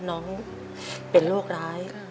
น้องเป็นโรคร้าย